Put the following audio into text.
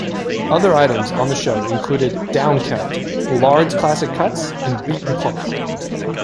Other items on the show included "Downcount", "Lard's Classic Cuts" and "Beat the Clock".